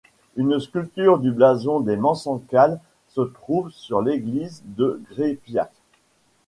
Une sculpture du blason des Mansencal se trouve sur l'église de Grépiac.